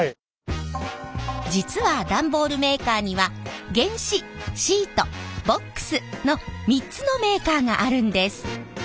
実は段ボールメーカーには原紙シートボックスの３つのメーカーがあるんです。